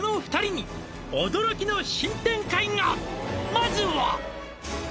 「まずは」